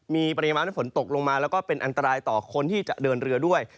มีปริมาณฝนตกลงมาแล้วก็เป็นอันตรายต่อคนที่จะเดินเรือด้วย